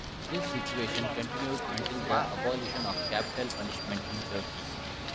This situation continued until the abolition of capital punishment in Turkey.